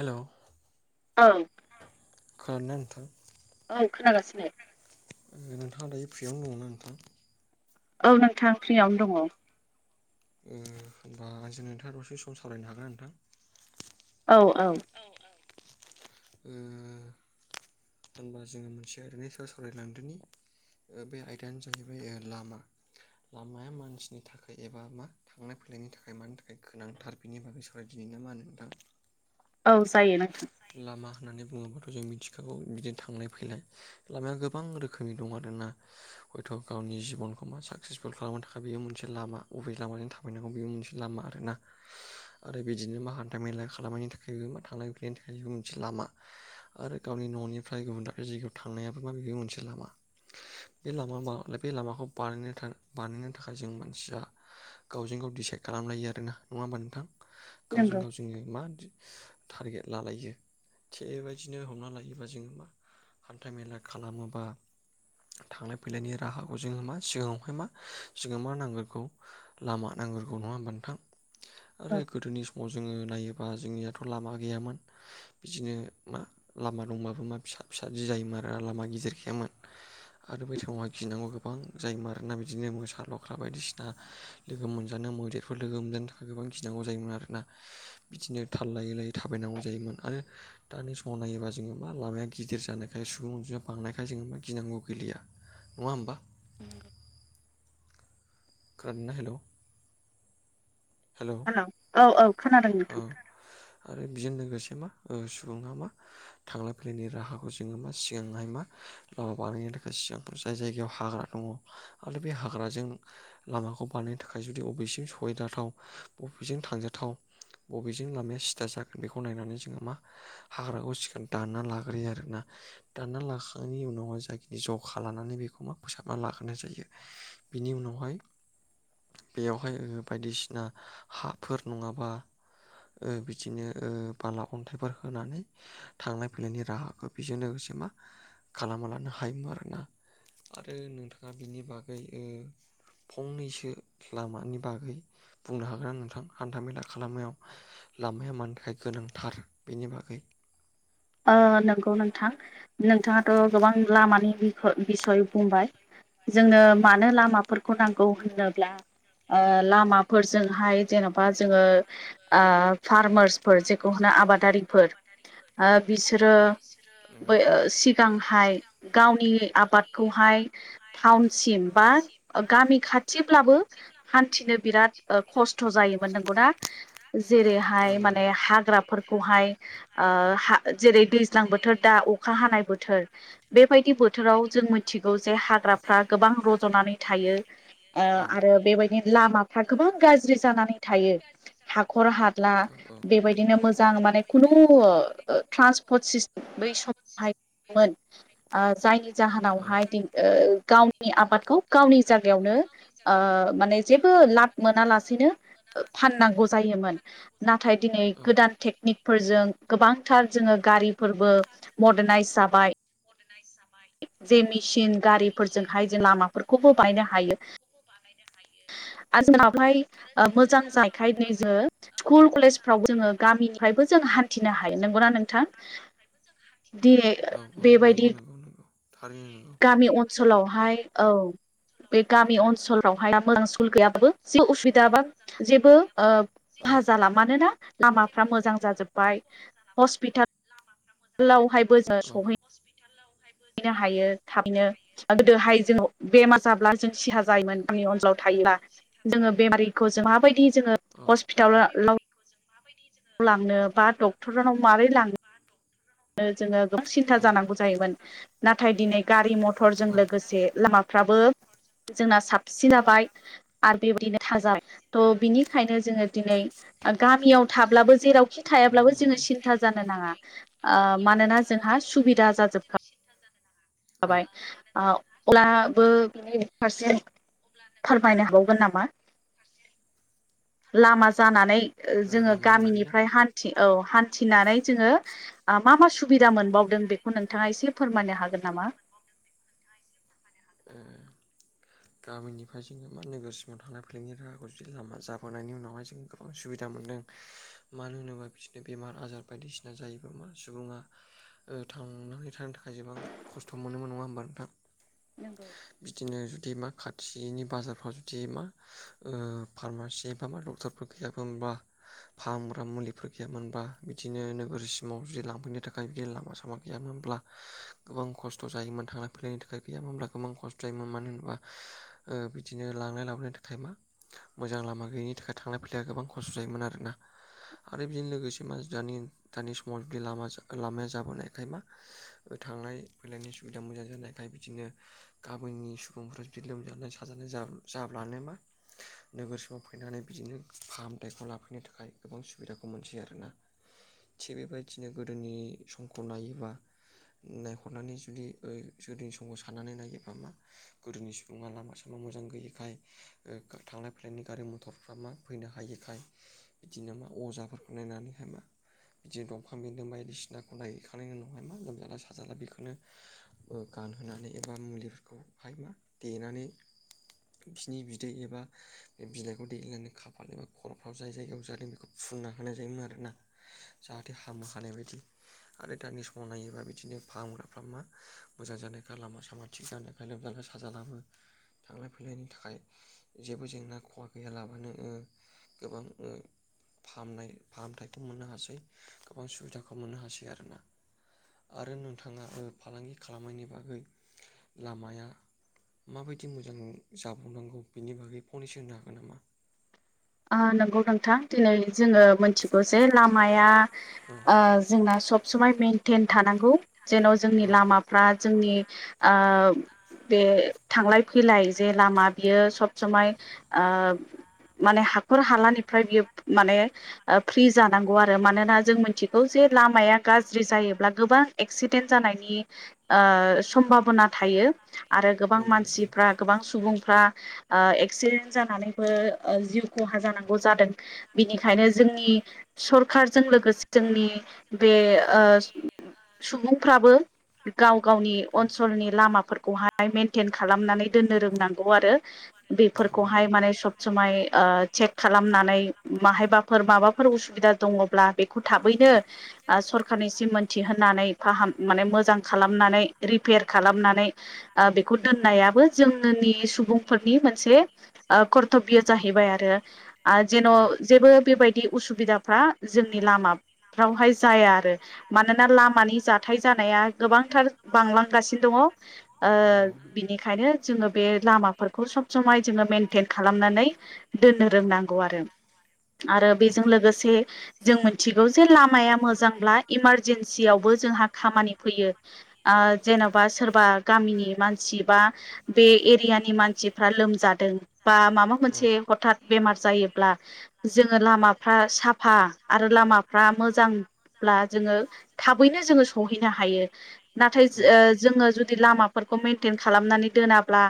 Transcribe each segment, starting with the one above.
हेल' औ खोनादोंना नोंथां औ खोनागासिनो नोंथाङा दायो फ्रियावनो दङना नोंथां? औ नोंथां फ्रियावनो दङ होनोमबा आंजोंनो नोंथाङा दसे सम सावरायनो हागोन ना नोंथां औ औ औ औ होनबा जोङो मोनसे ओरैनो सायाव सावरायलांदोनि बे आयदायानो जाहैबाय लामा लामाया मानसिनि थाखाय एबा मा थांलाय फैलायनि थाखाय मानि थाखाय गोनांथार बेनि बागै सावरायदि नामा नोंथां औ जायो नोंथां लामा होननानै बुङोबाथ' जों मिथिखागौ बिदिनो थांलाय फैलाय लामाया गोबां रोखोमनि दं आरोना हयथ' गावनि जिबनखौ मा साक्सेसफुल खालामनो थाखाय बेयो मोनसे लामा बबे लामाजों थाब बायनांगौ बेबो मोनसे लामा आरोना आरो बिदिनो मा हान्था मेला खालामनायनि थाखायबो मा थांलाय फैलायनि थाखायबो मोनसे लामा आरो गावनि न'निफ्राय गुबुन दाब जायगायाव थांनायाबो माब मोनसे लामा बे लामा बे लामाखौ बानायनो थाखाय बानायनो थाखाय जों मानसिया गावजों गाव डिसाइद खालामलायो आरोना नङा होमबा नोंथां गावजों नंगौ गाव जोङो मा टारगेट लालायो थिग बेबायदिनो हमना लायोबा जोङो मा हान्था मेला खालामोबा थांलाय फैलायनि राहाखौ जोङो मा सिगाङावहाय मा जोंो मा नांगोरगौ लामा नांग्रगौ नङा होनबा नोंथां आरो औ गोदोनि समाव जोङो नायोबा जोंनियाथ' लामा गैयामोन बिदिनो मा लामा दंबाबो मा फिसा फिसा जि जायोमोन आरो लामा गिदिर गायामोन आरो बैथाङावहा गिनांगौ गोबां जायोमोन आरोना बिदिनो मोसा लख्रा बायदिसिना लोगो मोनजानो मैदेरफोर लोगो मोनजानो थाखाय गोबां गिनांगौ जायोमोन आरोना। बिदिनो थाल लायै लायै थाबायनांगौ जायोमोन आरो। दानि समाव नायोबा जोङो मा लामाया गिदिर जानायखाय सुबुं अनजिमाया बांनायखाय जोङो मा गिनांगौ गैलिया। नङा होमबा। खोनादोंना हेल'। हेल' औ औ खोनादों औ नोंथां। आरो बेजों लोगोसे मा सुबुङा मा थांलाय फैलायनि राहाखौ जोङो मा सिगांहाय मा लामा बानायनायनि थाखाय सिगांफोराव जाय जायगायाव हाग्रा दङ आरो बे हाग्राजों लामाखौ बानायनो थाखाय जुदि अबेजों सहायजाथाव बबेजों थांजाथाव बबेजों लामाया सिथा जागोन। बेखौ नायनानै जोङो मा हाग्राखौ सिखोन दाना लाग्रोयो आरोना। दानना लाखांनायनि उनाव जाखिनि जखा लानानै बेखौ मा फोसाबना लाग्राय जायो। बिनि उनावहाय बेयावहाय बायदिसिना हाफोर नङाबा बिदिनो बाला अन्थाइफोर होनानै थांलाय फैलायनि राहाखौ बेजों लोगोसे मा खालामना लानो हायोमोन आरोना। आरो नोंथाङा बिनि बागै फंनैसो लामानि बागै बुंनो हागोन नोंथां हान्थामेला खालामाव लामाया मानि थाखाय गोनांथार। बेनि बागै नंगौ नोंथां नोंथाङाथ' गोबां लामानि बिसय बुंबाय। जोंनो मानो लामाफोरखौ नांगौ होनोब्ला लामा फोरजोंहाय जेन'बा जोङो फार्मारसफोर जेखौना आबादारिफोर बिसोरो नंगौ सिगांहाय गावनि आबादखौहाय टाउनसिम बा गामि खाथिब्लाबो हान्थिनो बिराद खस्थ' जायोमोन नंगौना। औ जेरैहाय नंगौ औ माने हाग्राफोरखौहाय जेरै दैज्लां बोथोर दा अखा हानाय बोथोर। बेबायदि बोथोराव जों मिथिगौ जे हा ग्राफोरा गोबां रजनानै थायो। ओ औ आरो बे बादि लामा गोबां गाज्रि जानानै थायो। हाखर हाला बे बायदिनो मोजां माने खुनु ट्रान्सपर्ट सिस्टेम बै समावहाय मोन जायनि औ जाहोनावहाय गावनि आबादखौ गावनि जायगायावनो माने जेबो लाब मोनालासेनो फाननांगौ जायोमोन। नाथाय दिनै गोदान टेकनिकफोरजों गोबां थार जोङो गारिफोरबो मदारनायइस जाबाय। जे मेसिन जे मेचिन गारिफोरजोंहाय जों लामाफोरखौबो गारिफोरजोंहाय बायनो जोङो लामाफोरखौबो बानायनो हायो। दा जोंनावहाय मोजां जानायखाय दिनै जोङो स्कुल कलेजफ्राव जोङो गामिनिफ्रायबो जों हान्थिनो हायो। नंगौना नोंथां। दिनै औ औ बे‌ नंगौ बायदि नंगौ। थारैनो गामि अनसोलावहाय औ। बे गामि अनसोलावहाय मोजां [unintelligible] गैयाबाबो उसुबिदा बा जेबो औ औ खहा जाला। मानोना लामाफ्रा मोजां जाजोब्बाय हस्पिटालावहायबो जों सहै हस्पिटालावहायबो जोङो थाबैनो गोदोहाय जों बेमार जाब्ला जों सिहा जायोमोन जोंनि अनसोलाव जो बेमरिखौ जों मा बायदि जोङो हस्पिटाल मा बायदि लांनो बा डक्टरनाव मारै लांनो मा होनदों? जोङो गोबां सिन्था जानांगौ जायोमोन नाथाय दिनै गारि मथरजों लोगोसे लामा फ्राबो जोंना साबसिन बाय आरो बेबायदिनो थाजाबाय थ' बिनिखायनो जोङो दिनै गामियाव थाब्लाबो जेराव खि थायाब्लाबो जोङो सिन्था जानो नाङा। ओ गामियाव मानोना थाब्लाबो जोंहा जेरावखि थायाब्लाबो जोङो सिन्था जानो नाङा। माबाय अब्लाबो फारसे [unintelligible] खमायनो हावगोन नामा? लामा जानानै जोङो लामानि बागैना ओ गामिनिफ्राय हान्थि औ हान्थिनानै जोङो मा मा सुबिदा मोनबावदों बेखौ नोंथाङा एसे फोरमायनो हागोन नामा? [unintelligible] गामिनि [unintelligible] जोङो मा नोगोरसिमाव थांलायैलायनि राहाखौ जुदि लामा जाबोनायनि उनावहाय जों गोबां सुबिदा मोनदों। मानो होनोबा बिदिनो बेमार आजार बायदिसिना जायोबा मा सुबुङा थांनानै थानो थाखाय गोबां खस्थ' मोनोमोन नङा होमबा नोंथां नंगौ बिदिनो जुदि मा खाथि बेनि बाजारफ्राव जुदि मा ओ फार्मासि मा डक्टरफोर गैयामोन होनबा फाहामग्रा मुलिफोर गैयामोनबा बिदिनो नोगोरसिमाव जुदि लांफैनो थाखाय बिदिनो लामा सामा गैयामोनब्ला गोबां खस्थ' जायोमोन थांलायै फैलायनि थाखाय गैयामोनब्ला गोबां खस्थ' जायोमोन मानो होनोबा ओ बिदिनो लांनाय लाबोनाय थाखाय मा मोजां लामा गैयिनि थाखाय थांलाय फैलायाया गोबां खस्थ' जायोमोन आरोना आरो बिजोंनो लोगोसे मा दानि दानि समाव बिदि लामाया जाबोनायखाय मा थांलाय फैलायनि सुबिदा मोजां जानायखाय बिदिनो गामिनि सुबुंफ्रा बिदि लोमजानाय साजानाय जाब्लानो मा नोगोरसिमाव फैनानै बिदिनो फाहामथायाइखौ लाफैनो थाखाय गोबां सुबिदाखौ मोनसै आरोना। थिग बेबायदिनो गोदोनि समखौ नायोबा नायहरनानै जुदि गोदोनि समाव साननानै नायोब मा गोदोनि सुबुङा लामा साम न' मोजां गैयिखाय थांलाय फैलायनि गारि मथरफ्रा मा फैनो हायिखाय बिदिनो मा अजाफोरखौ नायनानैहाय मा बिदिनो दंफां बेन्दों बायदिसिनाखौ नागिरखांनायनि उनावहाय मा लोमजाला साजाला बेखौनो गानहोनानै एबा मुलिफोरखौहाय मा देनानै बिसनि बिदै एबा बे बिलाइखौ दैेलायनानै खाफाल एबा खर'फ्राव जाय जायगायाव जादों बेखौ फुनना होनाय जायोमोन आरोना जाहाथे हामो हानाय बायदि आरो दानि समाव नायोबा बिदिनो फाहामग्राफ्रा मा मोजां जानायखा लामा सामा थिग जानायखाय लोमजानाय साजालाबो। थांलाय फैलायनि थाखाय जेबो जेंना खहा गैयालाबानो ओ गोबां ओ फाहामनाय फाहामथायखौ मोननो हासै गोबां सुबिदाखौ मोननो हासै आरो ना आरो नोंथाङा ओ फालांगि खालामनायनि बागै लामाया माबायदि मोजां जाबावनांगौ बिनि बागै फनैसो होनो हागोन नामा? ओ नंगौ नोंथां दिनै जोङो मिथिगौ जे लामाया औ ओ जोंना सब समाय मेनटेन थानांगौ। जेन' जोंनि औ लामाफ्रा जोंनि ओ बे थांलाय फैलाय जे लामा बियो सब समाय ओ माने हाखर हालानिफ्राय बियो माने फ्रि जानांगौ आरो मानोना जों मिथिगौ जे लामाया गाज्रि जायोब्ला गोबां एक्सिडेन्ट जानायनि सम्भाबना थायो। आरो गोबां नंगौ नंगौ मानसिफ्रा गोबां सुबुंफ्रा एक्सिडेन्ट जानानैबो जिउ खहा जानांगौ जादों। बिनिखायनो जोंनि सरखारजों लोगोसे जोंनि बे ओ सुबुंफ्राबो गाव गावनि औ ओनसोलनि लामाफोरखौहाय मेनटेन खालामनानै दोननो रोंनांगौ आरो। नंगौ नंगौ औ नंगौ औ नंगौ औ बेफोरखौहाय माने सब समाय चेक खालामनानै माहायबाफोर माबाफोर उसुबिदा दङब्ला बे खौ थाबैनो सरखारनिसिम मोनथिहनानै फाहाम माने मोजां खालामनानै रिपेयार खालामनानै बेखौ दोननायाबो जोंनोनि सुबुंफोरनि मोनसे ओ थ बियो जाहैबाय आरो जेन' जेबो बेबायदि उसुबिदाफ्रा जोंनि लामाफ्रावहाय जाया आरो मानोना लामानि जाथाय जानाया गोबांथार बांलांगासिनो दङ बिनिखायनो जोङो बे लामाफोरखौ सब समाय जोङो मेनटेन खालामनानै दोननो रोंनांगौ आरो आरो औ बेजों लोगोसे जों मिथिगौ जे लामाया मोजांब्ला इमारजेन्सियावबो जोंहा खामानि फैयो जेन'बा सोरबा गामिनि मानसि बा बे एरियानि मानसिफ्रा लोमजादों बा माबा औ औ मोनसे हथात बेमार जायोब्ला जोङो लामाफ्रा साफा आरो लामाफ्रा मोजां ब्ला जोङो थाबैनो जोङो सहैनो हायो नाथाय जोङो जुदि लामाफोरखौ मेेनटेन खालामनानै दोनाब्ला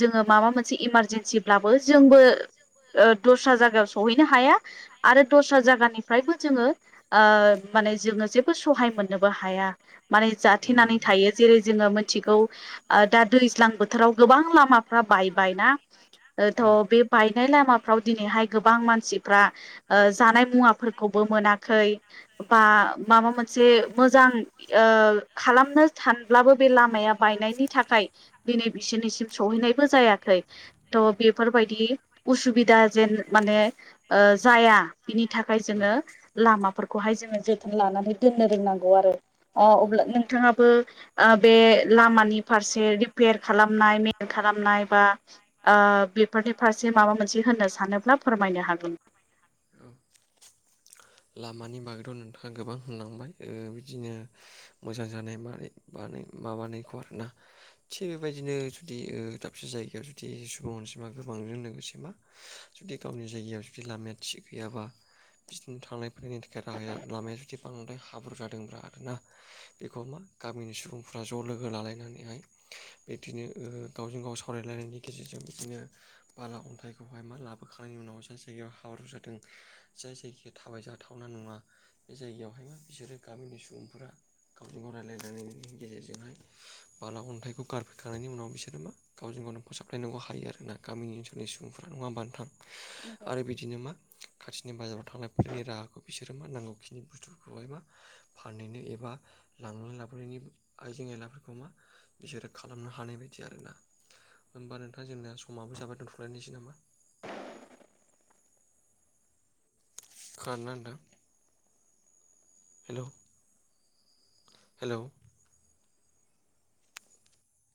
जोङो माबा मोनसे इमारजेन्सिब्लाबो जोंबो दस्रा जायगायाव सहैनो हाया आरो दस्रा जायगानिफ्रायबो जोङो माने जोङो जेबो सहाय मोननोबो हाया माने जाथेनानै थायो जेरै जोङो मिथिगौ दा दैज्लां बोथोराव गोबां लामाफ्रा बायबायना थ' बे बायनाय लामाफ्राव दिनैहाय गोबां मानसिफ्रा जानाय मुवाफोरखौबो मोनाखै बा माबा मोनसे मोजां खालामनो सानब्लाबो बे लामाया बायनायनि थाखाय दिनै बिसोरनिसिम सहैनायबो जायाखै थ' बेफोरबायदि उसुबिदा जेन माने जाया बिनि थाखाय जोङो लामाफोरखौहाय जोङो जोथोन लानानै दोननो रोंनांगौ आरो अ अब्ला नोंथाङाबो बे लामानि फारसे रिपेयार खालामनाय मेेन खालामनाय बा बेफोरनि फारसे माबा मोनसे होननो सानोब्ला फोरमायनो हागोन औ लामानि बागैथ' नोंथाङा गोबां होनलांबाय बिदिनो मोजां जानाय मानाय बानाय माबानायखौ आरोना थिग बेबायदिनो जुदि दाबसे जायगायाव जुदि सुबुं अनसिमा गोबांजों लोगोसे मा जुदि गावनि जायगायाव जुदि लामाया थिग गैयाबा बिदिनो थांलाय फैलायनि थाखाय राहाया लामाया जुदि बांद्राय हाब्रु जादोंब्रा आर ना बेखौ मा गामिनि सुबुंफ्रा ज' लोगो लालायनानैहाय बिदिनो गावजों गाव सावरायलायनायनि गेजेरजों बिदिनो बाला अन्थाइखौहाय मा लाबोखांनायनि उनाव जाय जायगायाव हाब्रु जादों जाय जायगाया थाबायजाथावना नङा बे जायगायावहाय मा बिसोरो गामिनि सुबुंफोरा गावजों गाव रायजलायलायनायनि गेजेरजोंहाय बाला अन्थाइखौ गारफैखांनायनि उनाव बिसोरो मा गावजों गाव नों फोसाबलायनांगौ हायो आरो ना गामि ओनसोलनि सुबुंफफोरा नङा होनबा नोथां आरो बिदिनो मा खाथिनि बाजाराव थांनायफोरनि राहाखौ बिसोरो मा नांगौ खिनि बुस्थुफोरखौहाय मा फानहैनो एबा लांनानै लाबोनायनि आइजें आयलाफोरखौ मा बिसोरो खालामनो हानाय बायदि आरो ना होमबा नोंथाङा जोंना समाबो जाबाय दोनथ'लायनोसै नामा खोनादों ना नोंथां हेल' हेलौ